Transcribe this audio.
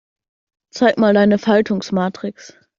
Zeig mal deine Faltungsmatrix.